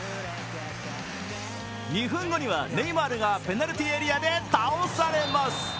２分後には、ネイマールがペナルティーエリアで倒されます。